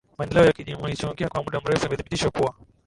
maendeleo ya kijamiikiuchumiKwa muda mrefu imethibitishwa kuwa